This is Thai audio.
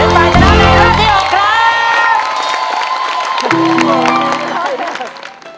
เป็นตายชนะในราชที่๖ครับ